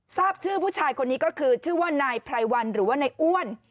ทราบชื่อผู้ชายคนนี้ก็คือชื่อว่านายไพรวันหรือว่านายอ้วน